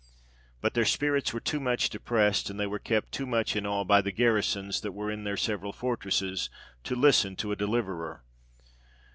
But their spirits were too much depressed, and they were kept too much in awe by the garrisons that were in their several fortresses to listen to a deliverer.